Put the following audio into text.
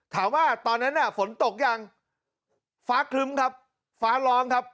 ตอนนั้นน่ะฝนตกยังฟ้าครึ้มครับฟ้าร้องครับ